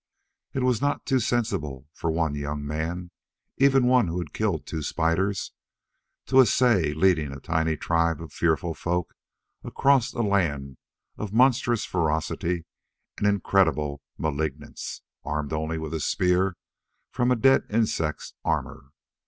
It was not too sensible for one young man even one who had killed two spiders to essay leading a tiny tribe of fearful folk across a land of monstrous ferocity and incredible malignance, armed only with a spear from a dead insect's armor.